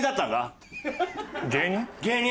芸人？